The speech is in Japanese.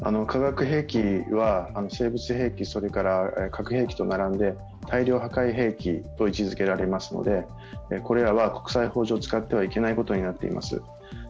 化学兵器は生物兵器、核兵器と並んで大量破壊兵器と位置づけられますので、これらは国際法上、使ってはいけないことになっています。